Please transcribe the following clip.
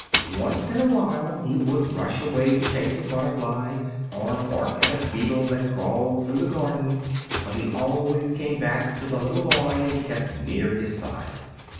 Once in a while he would rush away to chase a butterfly or bark at a beetle that crawled through the garden, but he always came back to the boy and kept near his side.